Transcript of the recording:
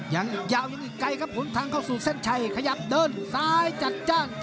ยังยาวยังอีกไกลครับหนทางเข้าสู่เส้นชัยขยับเดินซ้ายจัดจ้าน